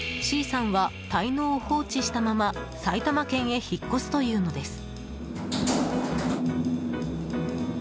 Ｃさんは滞納を放置したまま埼玉県へ引っ越すというのです。